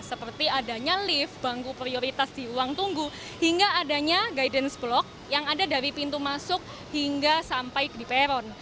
seperti adanya lift bangku prioritas di uang tunggu hingga adanya guidance block yang ada dari pintu masuk hingga sampai di peron